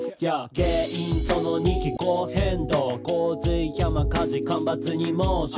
「原因その２気候変動」「洪水山火事干ばつに猛暑」